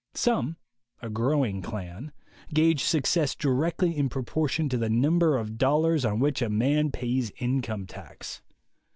Some (a growing clan) gauge success directly in proportion to the number of dollars on which a man pays income tax.